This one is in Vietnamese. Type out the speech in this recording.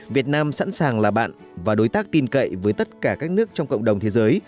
việt nam sẵn sàng là bạn và đối tác tin cậy với tất cả các nước trong cộng đồng thế giới